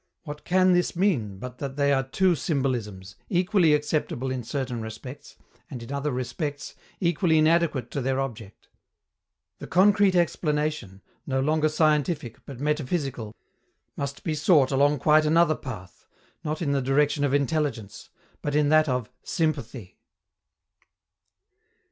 What can this mean but that they are two symbolisms, equally acceptable in certain respects, and, in other respects, equally inadequate to their object? The concrete explanation, no longer scientific, but metaphysical, must be sought along quite another path, not in the direction of intelligence, but in that of "sympathy."